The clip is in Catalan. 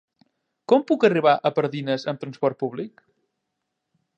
Com puc arribar a Pardines amb trasport públic?